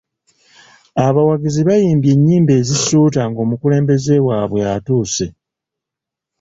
Abawagizi baayimbye ennyimba ezisuuta ng'omukulembeze waabwe atuuse.